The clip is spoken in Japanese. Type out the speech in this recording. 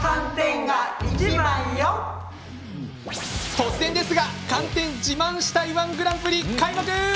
突然ですが、寒天自慢したい−１グランプリ開幕。